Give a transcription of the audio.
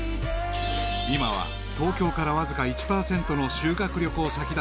［今は東京からわずか１％の修学旅行先だという秋田］